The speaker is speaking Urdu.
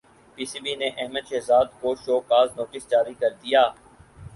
پی سی بی نے احمد شہزاد کو شوکاز نوٹس جاری کردیا